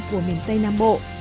của miền tây nam bộ